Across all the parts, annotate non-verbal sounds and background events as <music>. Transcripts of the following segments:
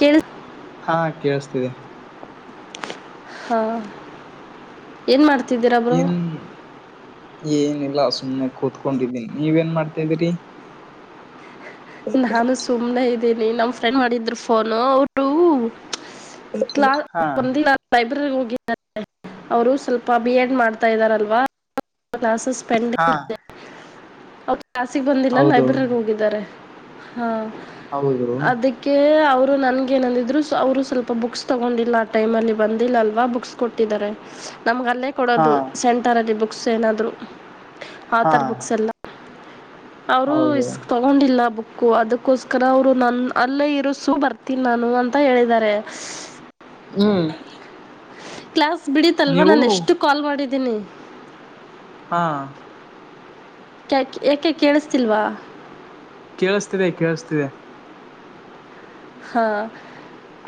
ಕೇಳ. ಹಾ ಕೇೇಳಸ್ತಿದೆ. ಹಾ ಏನ್ ಮಾಡ್ತ. ಏನ್ ಏನ್. ಇಲ್ಲ ಸುಮ್ನೆ ಕೂತ್ಕೊಂಡಿದ್ದೀನಿ ನೀವ ಏನ್ ಮಾಡ್ತಾಿದರಿ. ನಾನು ಸುಮ್ನೆ ಇದ. ್ದೀನಿ ನಮ್ಮ್ ಫ್ರೆಂಡ್ ಮಾಡಿದ್ರು ಫೋನು ಅವರ. ಕ್ಲಾ ಹಾ ಲೈಬ್ರರಿ. ಅವರು ಸ್ವಲ್ಪ ಬಿ ಎಡ್ ಮಾಡ್ತಾ ಇದಾರಲ್ವಾ. ನಾಸಿಸ ಹಾ ಪೆಂಡಂಗ್. ಓಕೆ. ಕ್ಾಸಿಗೆ ಬಂದಿಲ್ಲ ಹೌದು ಲೈಬ್ರರಿರ್. ಹಾ. ಹೌದು ಅದಕ್ಕೆ ಅವರು. ನನ್ಗ ಏನಂದಿದ್ರು ಅವರು ಸ್ವಲ್ಪ ಬುಕ್ಸ್ ತಗೊಂಡಿಲ್ಲ ಆ ಟೈಮ್ ಅಲ್ಲಿ ಬಂದಿಲ್ಲ ಅಲ್ವಾ ಬುಕ್ಸ್ ಕೊಟ್ಟಿದ್ದಾರೆ. ನಮ್ಗೆ ಅಲ್ಲೇ ಹಾ ಕೊಡೋದು ಸೆಂಟರಲ್ಲಿ ಬುಕ್. ಕುಸ್ ಏನಾದ್ೂ. ಹಾ ಆತಾರ್ ಬುಕ್ಸ್ ಎಲ್ಲ. ಅವರು ಇ ಹೌದು ತಗೊಂಡಿಲ್ಲ ಬಕ್. ು ಅದಕ್ಕೋಸ್ಕರ ಅವ್ರು ನನ್ ಅಲ್ಲೇ ಇರುಸು ಬರ್ತೀನಿ ನಾನು ಅಂತ ಹೇಳಿದಿದ್ದಾರೆ. ಹ್ಮ್. ಕ್ಲಸ್. ಬಿಡಡಿಿತಲ್ವಾ ನಾ ನೀವು ಎಷ್ಟು ಕಾಲ್ ಮಾಡಿದ. ಇನ್ನಿ. ಹಾ. ಕ ಏಕೆ ಕೇಳಿಸ್ತಿಲ್ವಾ. ಕೇಳಸ್ತಿದೆ ಕೇಳಸ್ತಿದೆ. ಹಾ.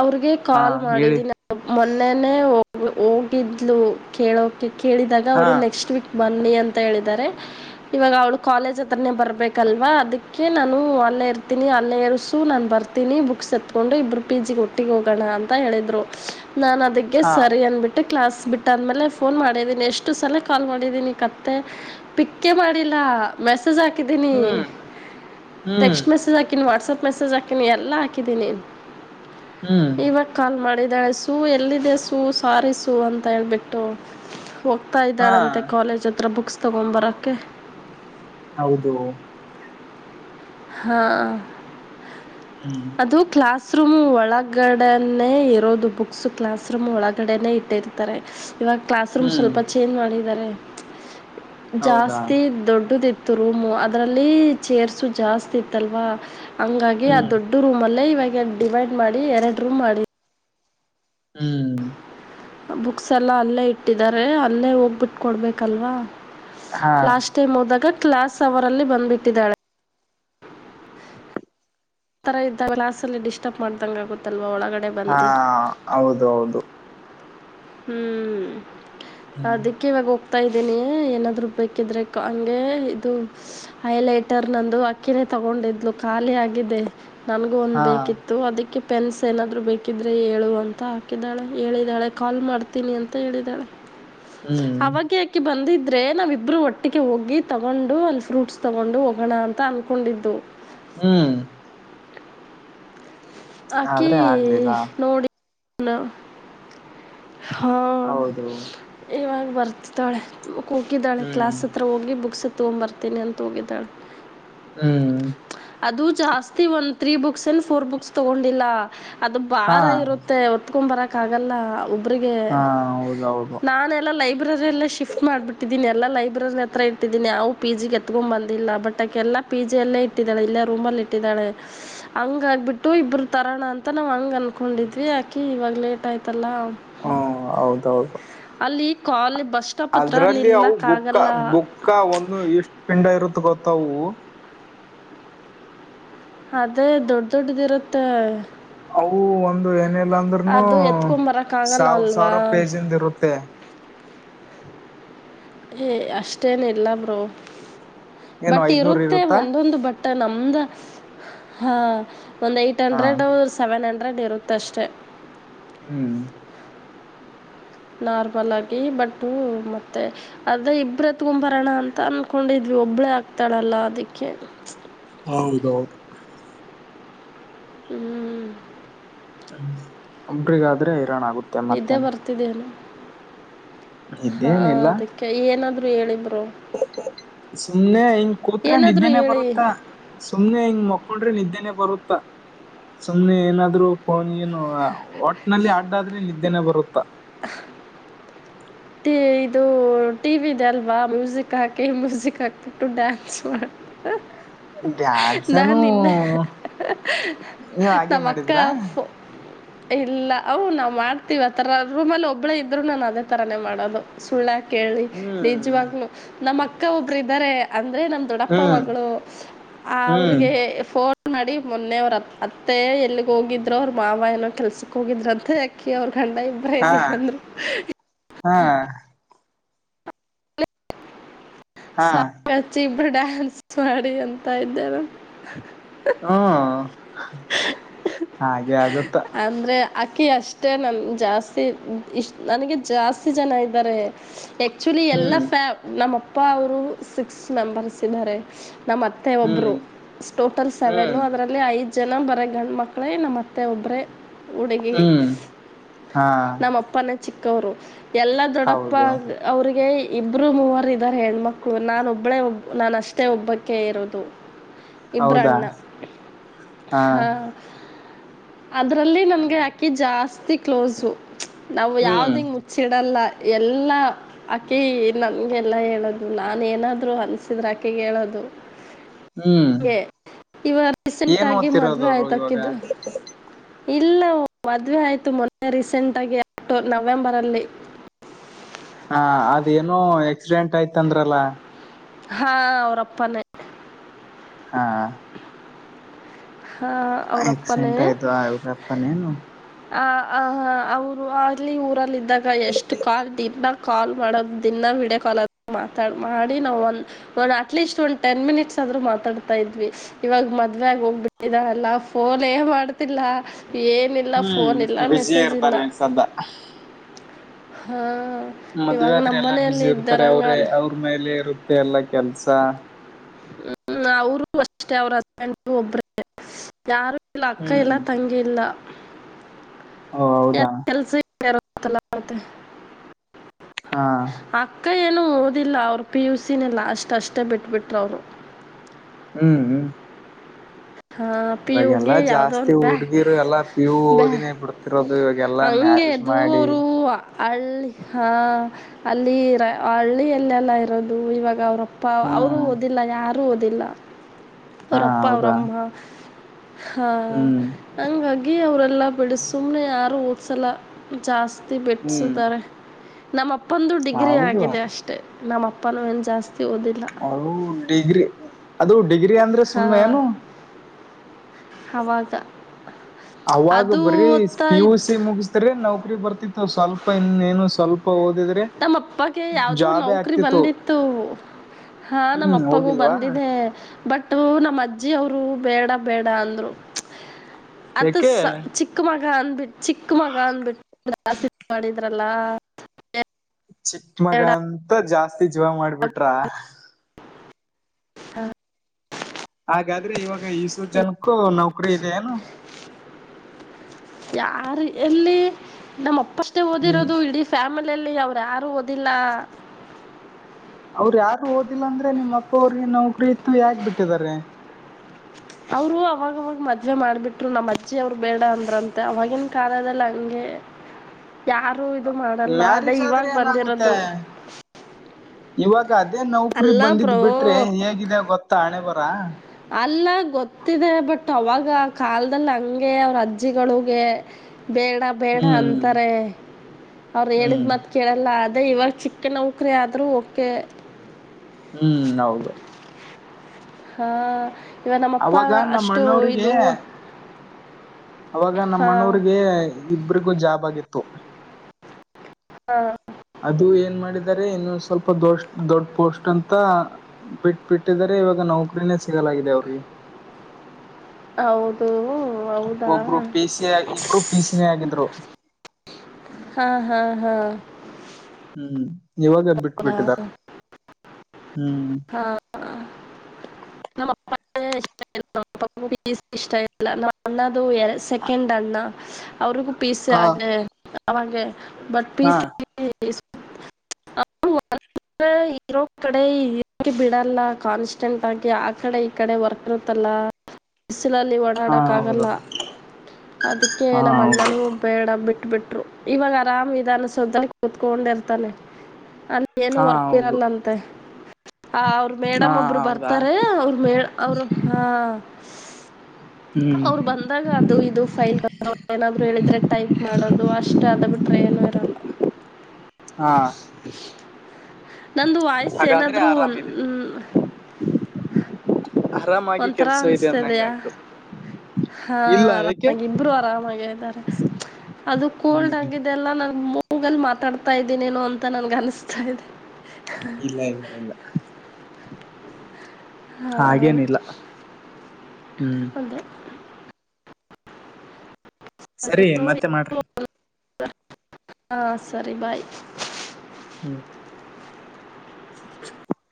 ಅವ್ರಿಗೆ ಹಾ ಕಾಲ್ ಹೇಳಿ ಮಾಡಿದ್ದೀ ನ. ಮೊನ್ನೆೇ ಹ ಹೋಗಿದ್ಲು ಕೇಳೋಕಿ. ಕೇಳಿದಾಗ ಹಾ ಅವ್ರು ನೆಕ್ಸ್ಟ್ ವೀಕ್ ಬನ್ನಿ ಅಂತ. ಹೇಳಿದ್ದಾರೆ ಇವಾಗ ಅವಳು ಕಾಲೇಜ್ ಹತ್ರನೇ ಬರ್ಬೇಕಲ್ವಾ ಅದಕ್ಕೆ ನಾನು ಅಲ್ಲೇ ಇರ್ತೀನಿ ಅಲ್ಲೇ ಇರ್ಸು ನಾನು ಬರ್ತೀನಿ ಬುಕ್. ಸತ್ಕೊಂಡು ಇಬ್ಬರು ಪಿ ಜಿ ಒಟ್ಟಿಗೆ ಹೋಗೋಣ ಅಂತ ಹೇಳಿದ್ರು. ನಾನು ಅದಕ್ಕೆ ಹಾ ಸರಿ ಅನ್ಬಿಟ್ಟು ಕ್ಲಾಸ್ ಬಿಟ್ಟ್ಮೇಲೆ ಫೋನ್ ಮಾಡಿದೀನಿ ಎಷ್ಟು ಸಲ ಕಾಲ್ ಮಾಡಿದೀನಿ ಕತ್ತೆ ಪಿಕ್ಕೇ ಮಾಡಿಲ್ಲೆ ಮೆಸೇಜ್ ಹಾಕಿದೀನಿ ಹ್ಮ್ ಹ್ಮ್ ಟೆಕ್ಸ್ಟ್ ಮೆಸೇಜ್ ಹಾಕನಿ ವಾಟ್ಸಪ್ ಮೆಸೇ್ ಹಾಕಿನಿ ಎಲ್ಲಾಿ ಕಿದ್ದನೇನು ಹ್ಮ್ ಈವಾಗ ಕಲ್ ಮಾಡಳೆ ಸೂ ಎಲ್ಲಿದೆ ಸೂ ಸಾರಿ ಸೂ ಅಂತ ಹೇಳ್ಬಿಟ್ಟು ಹೋಗ್ತಾ ಹಾ ಇದ್ದಾಳಂತೆ ಕಾಲೇಜ್ ಹತ್ರ ಬುಕ್ಸ್ ತಗೊಂಬರಕ್ಕೆ ಹೌದು ಹಾ ಹ್ಮ್ ಅದು ಕ್ಲಾಸ್ ರೂಮ್ ಒಳಗಡನ್ನೇ ಇರೋದು ಬುಕ್ಸ್ ಕ್ಲಾಸ್ ರೂಮ್ ಒಳಗಡೆೇ ಇಟ್ಟಿರ್ತಾರೆ ಇವಾಗ ಕ್ಲಾಸ್ ರೂಮ್ ಹ್ಮ್ ಸ್ವಲ್ಪ ಚೇಂಜ್ ಮಾಡಿದ್ದಾರೆ ಹೌದಾ ಜಾಸ್ತಿ ದೊಡ್ಡದಿತ್ತು ರೂಮು ಅದರಲ್ಲಿ ಚೇರ್ಸ್ ಜಾಸ್ತಿ ಇತ್ತಲ್ವಾ ಹಂಗಾಗಿ ಆ ಹ್ಮ್ ದೊಡ್ಡ ರೂಮ ಅಲ್ಲೇ ಇವವಾಗಿ ಡಿವೈಡ್ ಮಾಡಿ ಎರಡು ರೂಮ್ ಮಾಡಿ ಹ್ಮ್ ಬುಕ್ಸ್ ಎಲ್ಲಾ ಅಲ್ಲೇ ಇಟ್ಟಿದ್ದಾರೆ ಅಲ್ಲೇ ಹೋಗ್ಬಿಟ್ಟ ಕೊಡ್ಬೇಕಲ್ವಾ ಹಾ ಲಾಸ್ಟ್ ಮದಾಗ ಕ್ಲಾಸ್ ಅವರಲ್ಲಿ ಬಂದ್ಬಿಟ್ಟಿದ್ದಾಳೆ ಆ ತರ ಇದ್ದಾಗ್ಾಾಸಲ್ಲಿ ಡಿಸ್ಟರ್ಬ್ ಮಾಡ್ದಂಗ ಆಗುತ್ತಲ್ವಾ ಒಳಗ್ ಹಾ ಹೌದು ಹೌದು ಹ್ಮ್ ಹ್ಮ್ ಅದಕ್ಕೆ ಹತಾ ಇದ್ದೀನಿ ಏನಾದ್ೂ ಬೇಕಿದ್ರೆ ಹಂಗೆ ಇದು ಹೈಲೈಟರ್ ನಂದು ಅಕ್ಕಿಿನ ತಗೊಂಡಿದ್ಲು ಖಾಲಿ ಆಗಿದೆ ನನ್ಗೂ ಒಂದ್ ಹಾ ಬೇಕಿತ್ತು ಅದಕ್ಕೆ ಪೆನ್ಸ್ ಏನಾದ್ರು ಬೇಕಿದ್ರೆ ಹೇಳು ಅಂತ ಹಾಕಿದಾಳೆ ಹೇಳಿದಾಳೆ ಕಾಲ್ ಮಾಡ್ತೀನಿ ಅಂತ ಹೇಳಿದಾಳೆ ಹ್ಮ್ ಅವಾಗ ಯಾಕೆ ಬಂದಿದ್ದು ಅ್ರೆ ನಾಾವಿಬ್ಬರು ಒಟ್ಟಿಗೆ ಹೋಗಿ ತಗೊಂಡು ಒಂದು ಫ್ರೂಟ್ಸ್ ತಗೊಂಡು ಹೋಗೋಣ ಅಂತ ಅಂದ್ಕೊಂಡಿದ್ದವು ಹ್ಮ್ ಆಕಿ ಆದ್ರೆ ಆಗ್ಲಿಲ್ಲ ನೋಡಿ ಹಲ <inaudible> ಹಾ ಹೌದು ಇವಗ್ ಬರ್ತಿದಾಳೆ ಹೋಗಿದ್ದಾಳೆ ಹ್ಮ್ ಕ್ಲಾಸ್ ಹತ್ರ ಹೋಗಿ ಬುಕ್ಸ್ ತೋಮ್ಬರ್ತೀನಿ ಅಂತ ಹೋಗಿದ್ದಾಳೆ <inaudible> ಅದು ಜಾಸ್ತಿ ಒಂದ್ ತ್ರೀ ಬುಕ್ಸ್ ಏನ್ ಫೋರ್ ಬುಕ್ಸ್ ತಗೊಂಡಿಲ್ಲ ಅದು ಹಾ ಬಾರ ಇರುತ್ತೆ ಒತ್ಕೊ ಬರ ಕ್ಕ ಆಗಲ್ಲ ಒಬ್ಬರಿಗೆ ಹಾ ಹೌದೌದು ನಾನೆಲ್ಲ ಲೈಫ ಲೈಬ್ರರಿಯಲ್ಲ ಶಿಫ್ಟ್ ಮಾಡ್ಬಿಟ್ಟಿದ್ದೀನಿ ಎಲ್ಲ ಲೈಬ್ರರಿ ಹತ್ರ ಇಟ್ಟಿದ್ದೀನಿ ಯಾವ್ ಪಿಜಿಗೆ ಎತ್ಕೊಂಡ್ ಬಂದಿಲ್ಲ ಬಟ್ ಆಕಿ ಎಲ್ಲ ಪಿ ಜಿ ಎಲ್ಲೇ ಇ ಇಟ್ಟಿದ್ದಾಳೆ ಇಲ್ಲೇ ರೂಮಲ್ಲಿ ಇಟ್ಟಿದ್ದಾಳೆ ಹಂಗ ಆಗ್ಬಿಟ್ಟು ಇಬ್ಬರು ತರೋಣ ಅಂತ ನಾವು ಹಂಗ ಅನ್ಕೊಂಡಿದ್ವಿ ಆಕಿ ಇವಾಗ ಲೇಟ್ ಆಯ್ತಲ್ಲ ಹ್ಮ ಹೌದೌದು ಲ್ಲಿ ಕಾಲ್ ಅದ್ರಲ್ಲಿ ಅವು ಬುಕ್ಕ ಬುಕ್ಕ ಒಂದು ಎಷ್ಟ ಪಿಂಡ ಇರುತ್ತ ಗೊತ್ತವು ಅದೇ ದೊಡ್ಡ ದೊಡ್ಡದ ಇರುತ್ತೆ ಅವು ಒಂದು ಏನೇ ಇಲ್ಲಂದ್ನು ಅದು ಎತ್ಕೊಂಬರಕ್ಕಾಗಲ್ಲ ಸಾವಿರ ಅಲ್ವಾ ಸಾವಿರ ಪೇಜಿಂದ ಇರುತ್ತೆ ಏ ಅಷ್ಟೇನ ಇಲ್ಲ ಬ್ರೋ ಏನು ಬಟ್ ಐದ್ನೂರ್ ಇರುತ್ತೆ ಇರುತ್ತಾ ಒಂದೊಂದು ಬಟ್ಟೆ ನಮ್ದ ಹಾ ಒಂದು ಏಟ್ ಹಾ ಹಂಡ್ರೆಡ್ ಸವೆನ್ ಹಂಡ್ರೆಡ್ ಅರಡಿ ಇರುತ್ತಷ್ಟೆ ಹ್ಮ್ ನಾರ್ಮಲ್ ಆಗಿ ಬಟ್ ಮತ್ತೆ ಅದೇ ಇಬ್ರ ತಕೊಂಬರೋಣ ಅಂತ ಅನ್ಕೊಂಡಿದ್ವಿ ಒಬ್ಬಳೇ ಆಗ್ತಾಳಲ್ಲ ಅದಕ್ಕೆ ಹೌದೌದು ಹ್ಮ್ ಒಬ್ರಗಾದ್ರೆ ನಿದ್ದೆ ಬರ್ತಿದೆೇನು ಹಾ ಇದೇನಿಲ್ಲ ಅದಕ್ಕೆ ಏನಾದ್ರು ಎಳಿಂಬ ಸುಮ್ನೆ ಹಿಂಗ ಕೂತ್ ಏನಾದರೂ ನಿದ್ದೆನೆೇ ಹೇಳಿ ಬರುತ್ತಾ ಸುಮ್ನೆ ಹಿಂಗ್ ಮಕ್ಕೊಂಡ್ರೆ ನಿದ್ದೆನೆ ಬ ಬರುತ್ತಾ ಸುಮ್ನೆ ಏನಾದ್ರು ಫೋನ್ ಏ ಒಟ್ಟಿನಲ್ಲಿ ಆ ಅಡ್ಡಾದ್ರೆ ನಿದ್ದೆನ ಬರುತ್ತಾ ಇದು ಟಿ ವಿದ ಅಲ್ವಾ ಮ್ಯೂಸಿಕ್ ಹಾಕಿ ಮ್ಯೂಸಿಕ್ ಹಾಕ್ಬಿಟ್ಟು ಡ್ಯಾನ್ಸ್ ಮಾಡು ಡ್ಯಾನ್ಸನೂ ನೀವು ಹಾಗೆ ನಮ್ಮ ಅಕ್ಕ ಮಾಡಿದ್ರಾ ಫೋ ಇಲ್ಲ ಹ ನಾವು ಮಾಡ್ತೀವಿ ಆತರ ರೂಮ್ ಅಲ್ಲಿ ಒಬ್ಳೆ ಇದ್ರು ನಾನು ಅದೇ ತರಾನೇ ಮಾಡೋದು ಸುಳ್ ಯಾಕ್ ಕೇಳಿ ಹ್ಮ್ ನಿಜವಾಗ್ಲು ನಮ್ಮ ಅಕ್ ಅಕ್ಕ ಒಬ್ರು ಇದಾರೆ ಅಂ <unintelligible> ನಮ್ ದೊಡ್ಡಪ್ಪ ಹ್ಮ್ ಮಗಳು ಹ್ಮ್ ಅವಿಗೆ ಫೋನ್ ಮಾಡಿ ಮೊನ್ನೆ ಅವ್ರರು ಅತ್ತೆ ಎಲ್ಲಿಗ್ ಹೋಗಿದ್ರು ಅವ್ರ ಮಾವ ಏನೋ ಕೆಲ್ಸಕ್ ಹೋಗಿದ್ರು ಅಂತ ಅಕಿ ಅವ್ರರ್ ಹಾ ಗಂಡ <unintelligible> ಹಾ. ಹಾ <unintelligible> ಡ್ಯಾನ್ಸ್ ಮಾಡಿ ಅಂತ ಇದ್ದೇವೆ. ಹ್ಮ ಹಾಗೆ ಆಗುತ್ತ. ಅಕ್ಕಿ ಅಷ್ಟೇ ನನ್ ಜಾಸ್ತಿ ಇಷ್ಟ ನನಗೆ ಜಾಸ್ತಿ ಜನ ಇದ್ದಾರೆ. ಆಕ್ಚುಲಿ ಎಲ್ಲ ಹ್ಮ್ ಸಿ ನಮ್ಮಪ್ಪ ಅವರು ಸಿಕ್ಸ್ ಮೆಂಬರ್ಸ್ ಇದ್ದಾರೆ. ನಮ್ಮ ಅತ್ತೆ ಹ್ಮ್ ಒಬ್ಬರು ಟೋಟಲ್ ಸೇವೆನು ಹ್ಮ್ ಅದರಲ್ಲಿ ಐದು. ಜನ ಬರ ಗಂಡು ಮಕ್ಕಳೇ ನಮ್ಮತ್ತೆ ಒಬ್ಬರೇ. ಹಡುಗಿ ಹ್ಮ್ ಹಾ ನಮ್ ಅಪ್ಪಾನೆ ಚಿ. ಕವ್ರು. ಎಲ್ಲ ದೊಡ್ಡಪ್ಪ ಹೌದು ಅವ್ರಿಗೆ. ಇಬ್ರು ಮೂವರು ಇದ್ದಾರೆ ಹೆಣ್ಮಕ್ಳು ನಾನು ಒಬ್ಬಳೇ ಒಬ್ಬ ನಾನು ಅಷ್ಟೇ ಒಬ್ಬಕ್ಕೆ ಇರೋದು. ಹೌದಾ ಇಬ್ಬ್ರಣ್ಣ ಹಾ. ಅದರಲ್ಲಿ ನಮ್ಗೆ ಅಕ್ಕಿ ಜಾಸ್. ಅತಿ ಕ್ಲೋಸು. ನಾವು ಹ್ಮ್ ಯಾವುದಿಂಗ್ ಮುಚ್ಚಿಡಲ್ಲ. ಯಲ್ಲ. ಅಕೀ ನನ್ಗೆಲ್ಲಾ ಹೇಳೋದು ನಾನ ಏನಾದ್ರು ಅನ್ಸಿದ್ರ ಆಕಿಗೆ ಹೇಳೋದು. ಹ್ಮ್ ಇವ ರೀಸೆಂಟ್ ಏನ್ ಆಗಿ ಮದುವೆ ಓದ್ತಿರೋದವ್ರು ಇವಾಗ ಆಯ್ತಕ್ಕಿದು. ಇಲ್ಲ ಮದುವೆ ಆಯಿತು ಮೊನ್ನೆ ರೀಸೆಂಟಾಗಿ ಅಕ್ಟೋ ನವೆಂಬರಲ್ಲಿ. ಹಾ ಅದೇನೋ ಆಕ್ಸಿಡೆಂಟ್ ಆಯ್ತಂದ್ರಲ್ಲ. ಹಾ ಅವರ್ಪ್ಪಾನೆ. ಹಾ. ಹಾಂ ಅವರಪ್ಪನೇ ಆಕ್ಸಿಡೆಂಟ್ ಆಯ್ತು ಅವ್ರಪ್ಪನೇನು. ಆ ಆ ಅವರು ಅಲ್ಲಿ ಊರಲ್ಲಿ. ಇದಾಗ ಎಷ್ಟು <unintelligible> ಕಾಲ್ ಮಾಡೋದು ದಿನ ವೀಡಿಯೋ ಕಾಲ್ ಮಾತಾ ಮಾಡಿ ನಾವು ಒಂದ ಅಟ್ಲೀಸ್ಟ್ ಒ ಟೆನ್ ಮಿನಿಟ್ಸ್ ಆದ್ರೂ ಮಾತಾಡ್ತಾ ಇದ್ವಿ ಇವಾಗ ಮದುವೆ ಆಗ ಹೋಗ್ಬಿಟ್. ಇದಲ್ಲ ಫೋನೆ ಮಾಡ್ತಿಲ್ಲ. ಏನಿಲ್ಲ ಹ್ಮ್ ಫೋನ ಇಲ್ಲ ಬಿಜಿ ಮೆಸೇಜ್ ಇಲ್ಲ. ಇರ್ತಾರೆ ಈಗ ಸದ್ದ ಹಾ. ಮದ್ವೆ ಆದ್ರೆ ಎಲ್ಲಾ ಬುಸಿ ಇರ್ತಾರೆ ಅವ್ರೆ ಅಲ್ಲ ಅವ್ರ್ ಮೇಲೆ ಇರುತ್ತೆ ಎಲ್ಲಾ ಕೆಲ್ಸ. ಹ್ಮ್ ಅವರು ಅಷ್ಟೇ ಅವ್ರ್ ಹಸ್ಬೆಂಡು ಒಬ್ರೇ. ಯಾರು ಇಲ್ಲ ಅಕ್ಕ ಇಲ್ಲ ಹ್ಮ್ ತಂಗಿ ಇಲ್ಲ. ಓ ಎಲ್ಲ ಹೌದಾ <unintelligible> ಹಾ ಅಕ್ಕ ನು ಓದಿಲ್ಲ ಅವರು ಪಿ ಯು ಸಿ ನೇ ಲಾಸ್ಟ್ ಅಷ್ಟೇ ಬಿಟ್ಬಿಟ್ರು ಅವರು ಹ್ಮ್ ಹ್ಮ್ ಪಿ ಇವಾಗೆಲ್ಲಾ ಯುಗೆ ಯಾವುದೋ ಜಾಸ್ತಿ ಒಂದು ಬ್ಯಾ ಹುಡ್ಗಿರು ಎಲ್ಲಾ ಪಿ ಯು ಬ್ಯಾ ಓದಿನೇ ಬಿಡ್ತಿರೋದು ಇವಾಗೆಲ್ಲಾ ಹಂಗೆ ಮ್ಯಾರೇಜ್ ಎದ್ದು ಮಾಡಿ ಅವರು ಹಳ್ಳಿ ಹಾ ಅಲ್ಲಿ ಹಳ್ಳಿಯಲ್ಲೆಲ್ಲ ಇರೋದು ಇವಾಗ ಅವ್ರ್ ಅಪ್ಪ ಪ ಅವರು ಹ್ಮ್ ಓದಿಲ್ಲ ಯಾರ್ ಟ್ರು ಓದಿಲ್ಲ ಹಾ ಅವ್ರ್ ಅಪ್ಪ ಅವ್ರ್ ಹೌದಾ ಅಮ್ <inaudible> ಹಾ ಹ್ಮ್ ಹಂಗಾಗಿ ಅವ್ರ ಎಲ್ಲ ಬಿಡ್ ಸುಮ್ನೆ ಯಾರು ಓದ್ಸಲ್ಲ ಜಾಸ್ತಿ ಹ್ಮ್ ಬೆಟ್ಸುತ್ತಾರೆ ನಮ್ಮಪ್ಪ್ ಪ್ಪಂದು ಡಿಗ್ರಿ ಹೌದು ಆಗಿದೆ ಅಷ್ಟೇ ನಮ್ಮ ಅಪ್ಪನೂ ಏನ್ ಜಾಸ್ತಿ ಓದಿಲ್ಲ ಅದು ಡಿಗ್ರಿ ಅದು ಡಿಗ್ರಿ ಅಂದ್ರೆ ಸುಮ್ಮನೆ ಹಾಂ ಏನು ಆವಾಗ ಅವಾಗ ಅದು ಬರಿ ಓದ್ತಾ ಪಿ ಯು ಸಿ ಇದ್ದು ಮುಗ್ಸ್ದ್ರೆ ನಾವ ಬರ್ತಿತ್ತು ಸ್ವಲ್ಪ ಇನ್ನ ಏನು ಸ್ವಲ್ಪ ಓದಿದ್ರೆ ನಮ್ಮಪ್ಪಗೆ ಯಾವ್ದೋ ಜಾಬೇ ನೌಕರಿ ಆಗ್ತಿತ್ತು ಬಂದಿತ್ತು ಹಾ ನಮ್ಮ ಹ್ಮ್ ಅಪ್ಪಗೂ ಹೋಗಿಲ್ವಾ ಬಂದಿದೆ ಬಟ್ ನಮ್ಮಜ್ಜಿ ಅವರು ಬೇಡ ಬೇಡ ಅಂದರು ಅದು ಯಾಕೆ ಸ ಚಿಕ್ಕ ಮ ಮಗ ಅಂದ್ಬಿಟ್ಟು ಚಿಕ್ಕ ಮಗ ಅಂದ್ಬಿಟ್ಟು <unintelligible> ಮಾಡಿದ್ರಲ್ಲ ಚಿಕ್ಕಮಗ ಬೇಡ ಅಂತ ಜಾಸ್ ಜಾಸ್ತಿ ಜೀವ ಮಾಡ್ಬಿಟ್ರ ಹಾ ಹಾಗಾದ್ರೆ ಇವಾಗ ಈಸು ಜನಕ್ಕೂ ನೌಕರಿ ಇದೆ ಏನು ಯಾರ ಎಲ್ಲಿ ನಮ್ಮಪ್ಪ ಷ್ಟ ಹ್ಮ್ ಓದಿರೋದು ಇಡೀಫ್ಯಾಮಿಲಿ ಲ್ಲಿ ಅವ್ರೆ ಯಾರೂ ಓದಿಲ್ಲ ಅವ್ರ ಯಾರು ಓದಿಲ್ಲ ಅಂದ್ರೆ ನಿಮ್ಮ ಅಪ್ಪ ಅವ್ರಿಗೆ ನೌಕರಿ ಇತ್ತು ಯಾಕ ಬಿಟ್ಟಿದಿದ್ದಾರೆ ಅವರು ಅವಾಗವಾಗ ಮದ್ವೆ ಮಾಡ್ಬಿಟ್ರು ನಮ್ಮ ಅಜ್ಜಿ ಅವ್ರು ಬೇಡ ಅಂದ್ರಂತೆ ಅವವಾಗಿನ ಕಾಲದಲ್ಲಿ ಹಂಗೆ ಯಾರು ದು ಮಾಡಲ್ಲ ಅದೇ ಮ್ಯಾರೇಜ್ ಇವಾಗ ಆದ್ರೆ ಏನಾಗುತ್ತೆ ಬಂದಿರೋದು ಇವಾಗ ಈ ಅದೇ ನೌಕರಿ ಅಲ್ಲ ಬಂದಿದ್ ಬ್ರೋ ಬಿಟ್ರೆ ಹೇಗಿದೆ ಗೊತ್ತಾ ಹಣೆ ಬತ್ತ ಆ ಅಲ್ಲ ಗೊತ್ತಿದೆ ಬಟ್ ಅವಾಗ ಕಾಲದಲ್ಲಿ ಹಂಗೆ ಅವ್ರ ಅಜ್ಜಿಗಳಗೆ ಬೇಡ ಬೇಡ ಹ್ಮ್ ಅಂತಾರೆ ಅವ್ರು ಹೇಳಿದ ಹ್ಮ್ ಮತ್ತುು ಕೇಳಲ್ಲ ಅದು ಅದೇ ಇವಾಗ ಚಿಕ್ಕ ನೌಕರಿ ಆದ್ರೂ ಕೆ ಹ್ಮ್ ಹೌದು ಹಾ ಇವ ನಮ್ಮಪ್ಪ ಅವಾಗ ನಮ್ಮ ಅಷ್ಟು ಅಣ್ಣವ್ರಿಗೆ ಇದು ಅವಾಗ ನಮ್ಮ ಹಾಂ ಅಣವ್ರಿಗೆ ಇಬ್ರಿಗೂ ಜಾಬ್ ಆಗಿತ್ತು ಹಾ ಅದು ಏನ್ ಮಾಡಿದಿದ್ದಾರೆ ಇನ್ನೊ ಸ್ವಲ್ಪ ದೊಷ್ಟ ದೊಡ್ ಪೋಸ್ಟ್ ಅಂತ ಬಿಟ್ ಬಿಿಟ್ಟಿದಿದ್ದಾರೆ ಇವಾಗ ನೌಕ್ರಿನೇ ಸಿಗಲಾಗಿದೆ ಅವಿಗೆ ಹೌದು ಓ ಹೌದಾ ಪಿ ಸಿ ಇಬ್ರು ಪಿ ಸಿನೇ ಆಗಿದ್ರು ಹಾ ಹಾ ಹಾ ಹ ಹ್ಮ್ ಇವಾಗ ಬಿಟ್ಟ ಬಿಿಟ್ಟಿದಾರ ಹಾ ನಮಸ್ ಇಷ್ಟ ಇಲ್ಲ ನಮ್ಮ ಅಣ್ಣದು ಎ ಸೆಕೆಂಡ್ ಅಣ್ಣ ಅವರುಗ ಪೀಸ ಹ ಆಗ ಅವಂಗ ಬಟ್ ಹಾ ಪೀಸ್ ಇರೋ ಕಡೆ ಬಿಡಲ್ಲ ಕಾನ್ಸ್ಟೆಂಟ್ ಆಗಿ ಆ ಕಡೆ ಈ ಕಡೆ ವರ್ಕ್ತ್ತಲ್ಲ ಬಸ್ಸಲಲ್ಲಿ ಹಾ ಓಡಾಡೋಕ್ಕಾಗಲ್ಲ ಹೌದು ಅದಕ್ಕೆ ಹಾ ನಮ್ಮ ಹೌದು ಅಣ್ಣನೂ ಬೇಡ ಬಿಟ್ಟ ಬಿಟ್ ಬಿಟ್ರು ಇವಾಗ ಆರಾಮ್ ಇದಾನ ಸ್ವಂತಲ್ ಕುೂತ್ಕೊಂಡಿರ್ತಾನೆ ಅಲ್ಲಿ ಏನು ಹಾ ವರ್ಕ್ ಹೌದು ಇರಲ್ಲಂತೆ ಹ ಅವ್ರ ಹಾ ಮೇಡಮ್ ಒಬ್ರು ಹೌದಾ ಬರ್ತಾರೆ ಅವ್ರ ಮ ಅವರು ಹಾ <inaudible> ಹ್ಮ್ ಅವರು ಬಂದಾಗ ಅದು ಇದು ಫೈಲ್ ಏನಾದ್ರು ಹೇಳಿದ್ರೆ ಟೈಪ್ ಮಾಡೋದು ಅಷ್ಟ ಅದ ಬಿಟ್ರ ಏನುರಲ್ಲ ಹಾ ನಂದು ವಾಯಸ್ಸ ಏನಾದ್ ಹಾಗಾದ್ರೆ ಅದು ಒಂದ ಆರಾಮಿದೆ <unintelligible> ಆರಾಮಾಗಿ ಒಂಥರಾ ಕೆಲ್ಸ ಇದೆ ಅನ್ಸ್ತ ಅಂದಂಗ ಇದಯ ಆಯ್ತು ಹಾ ಇಲ್ಲ ಏಕೆ ಆರಾಮಾಗಿ ಇಬರು ಆರಾಮಾಗ ಇದಾರೆ ಅದು ಹ್ಮ್ ಕೋಲ್ಡ್ ಹ್ಮ್ ಆಗಿದೆಲ್ಲ ನನ ಗೂಗಲ್ ಮಾತಾಡ್ತಾ ಇದ್ದೀನೇನೋ ಅಂತ ನನ್ಗ ಅನಿಸ್ತಾ ಇದೆ ಇಲ್ಲ ಇಲ್ಲ ಇಲ್ಲ ಹಾ ಹಾಗೇನಿಲ್ಲ ಹ್ಮ್ ಒಂದೇ ಸರಿ ಮತ್ತೆ ಮಾಡ್ರಿ ಹಾ ಸರಿ ಬಾಯ್ ಹ್ಮ್ <unintelligible>